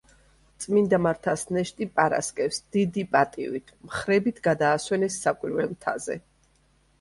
წმინდა მართას ნეშტი პარასკევს დიდი პატივით მხრებით გადაასვენეს საკვირველ მთაზე.